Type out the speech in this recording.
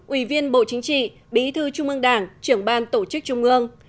ủy viên bộ chính trị bí thư trung ương đảng trưởng ban tổ chức trung ương